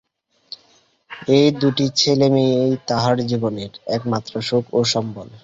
এই দুটি ছেলেমেয়েই তাহার জীবনের একমাত্র সুখ ও সম্বল।